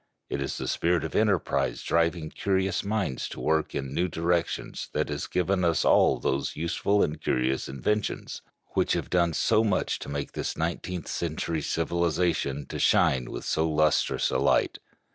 It is the spirit of enterprise driving curious minds to work in new directions that has given us all those useful and curious inventions, which have done so much to make this nineteenth century civilization to shine with so lustrous a light.